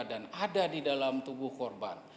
dan ada di dalam tubuh korban